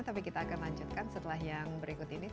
tapi kita akan lanjutkan setelah yang berikut ini